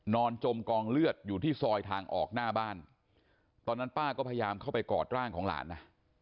จมกองเลือดอยู่ที่ซอยทางออกหน้าบ้านตอนนั้นป้าก็พยายามเข้าไปกอดร่างของหลานนะ